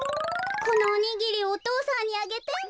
このおにぎりおとうさんにあげて。